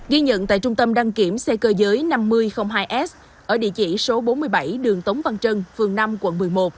ghi nhận tại trung tâm đăng kiểm xe cơ giới năm nghìn hai s ở địa chỉ số bốn mươi bảy đường tống văn trân phường năm quận một mươi một